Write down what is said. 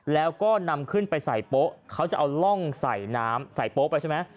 แล้วก็นำขึ้นไปใส่โป๊ะเขาจะเอาร่องใส่น้ำใส่โป๊ะไปใช่ไหม